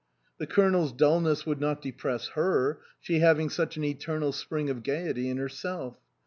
The Colonel's dulness would not depress her, she having such an eternal spring of gaiety in herself.